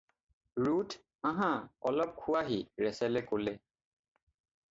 Ruth, আঁহা, অলপ খোৱাহি ৰেচেলে ক'লে।